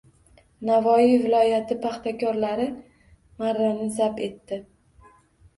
Navoiy viloyati paxtakorlari marrani zabt etdi